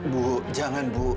bu jangan bu